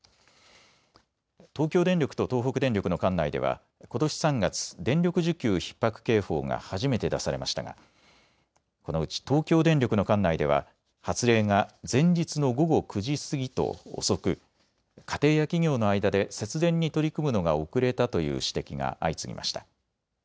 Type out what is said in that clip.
東京電力と東北電力の管内ではことし３月、電力需給ひっ迫警報が初めて出されましたがこのうち東京電力の管内では発令が前日の午後９時過ぎと遅く家庭や企業の間で節電に取り組むのが遅れたという指摘が相次ぎました。